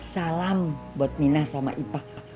salam buat mina sama ipak